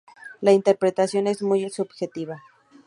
La interpretación es muy subjetiva.